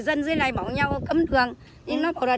mỗi ngày mất những nhà ở canh argentina ở cạnh nhau